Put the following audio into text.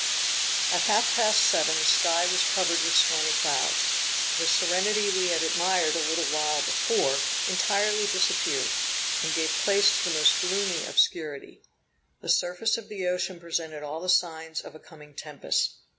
At half past seven, the sky was covered with stormy clouds. The serenity we had admired a little while before, entirely disappeared, and gave place to the most gloomy obscurity. The surface of the ocean presented all the signs of a coming tempest.